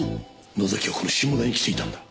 野崎はこの下田に来ていたんだ。